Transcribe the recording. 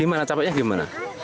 gimana capeknya gimana